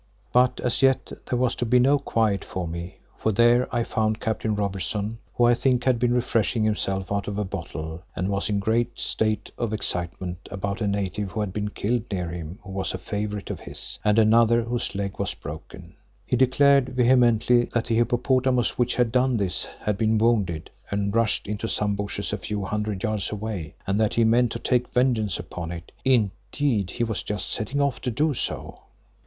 But as yet there was to be no quiet for me, for there I found Captain Robertson, who I think had been refreshing himself out of a bottle and was in a great state of excitement about a native who had been killed near him who was a favourite of his, and another whose leg was broken. He declared vehemently that the hippopotamus which had done this had been wounded and rushed into some bushes a few hundred yards away, and that he meant to take vengeance upon it. Indeed, he was just setting off to do so.